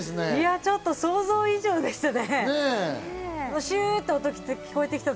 ちょっと想像以上でしたね。